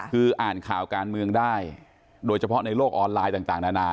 คืออ่านข่าวการเมืองได้โดยเฉพาะในโลกออนไลน์ต่างนานา